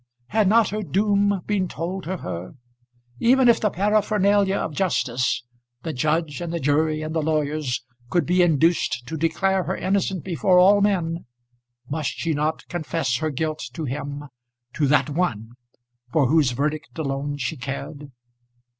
Had not her doom been told to her? Even if the paraphernalia of justice, the judge, and the jury, and the lawyers, could be induced to declare her innocent before all men, must she not confess her guilt to him, to that one, for whose verdict alone she cared?